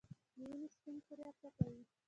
د وینې سپین کرویات څه کوي؟